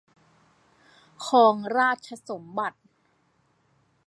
ครองราชสมบัติ